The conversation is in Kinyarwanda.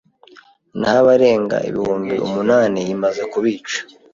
naho abarenga ibihumbi umunani imaze kubica